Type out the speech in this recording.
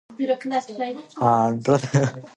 ژبه د یو ملت د هوښیارۍ نښه ده.